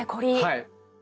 はい。